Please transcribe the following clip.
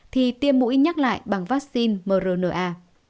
thì tiêm mũi nhắc lại bằng vaccine mrna